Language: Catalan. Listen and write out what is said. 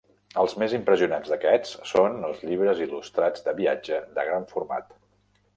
Els més impressionants d'aquests són els llibres il·lustrats de viatges de gran format.